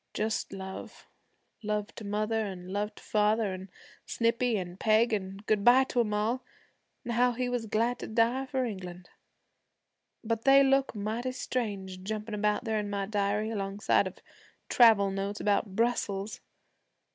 Just love, love to mother, and love to father, and Snippy and Peg, an' good bye to 'em all, an' how he was glad to die for England. But they look mighty strange jumpin' out there in my diary alongside of travel notes about Brussels.